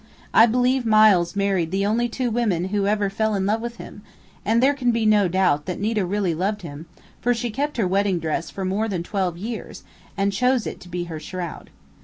I believe Miles married the only two women who ever fell in love with him, and there can be no doubt that Nita really loved him, for she kept her wedding dress for more than twelve years and chose it to be her shroud.